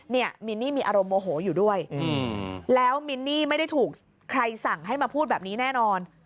มินนี่มีอารมณ์โมโหอยู่ด้วยแล้วมินนี่ไม่ได้ถูกใครสั่งให้มาพูดแบบนี้แน่นอน